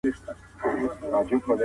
دا کتاب له کوم ځای څخه اخيستل شوی و؟